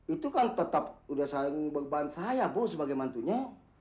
itu kan tetap udah saling beban saya bu sebagai mantunya